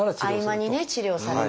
合間にね治療をされて。